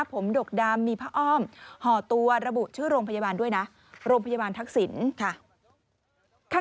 ผมดกดำมีผ้าอ้อมห่อตัวระบุชื่อโรงพยาบาลด้วยนะโรงพยาบาลทักษิณค่ะ